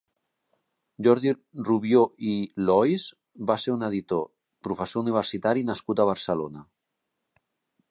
Jordi Rubió i Lois va ser un editor, professor universitari nascut a Barcelona.